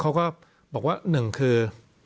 เขาก็บอกว่าหนึ่งคือ